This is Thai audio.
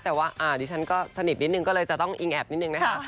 แต่ว่าดิฉันก็สนิทนิดนึงก็เลยจะต้องอิงแอบนิดนึงนะคะ